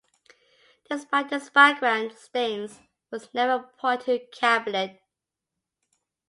Despite his background, Stanes was never appointed to cabinet.